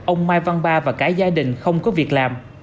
ông mai văn ba và cả gia đình không có việc làm